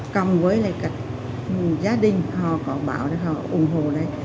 cầm với lại các gia đình họ có báo thì họ ủng hộ đây